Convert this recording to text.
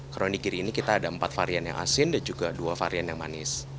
kroni kiri ini kita ada empat varian yang asin dan juga dua varian yang manis